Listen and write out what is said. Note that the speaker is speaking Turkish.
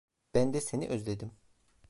Ben de seni özledim.